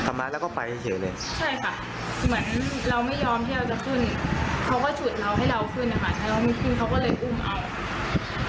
ทำลายแล้วก็ไปเฉยเลยใช่ค่ะเหมือนเราไม่ยอมที่เราจะขึ้น